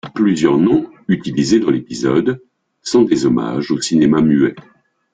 Plusieurs noms utilisés dans l'épisode sont des hommages au cinéma muet.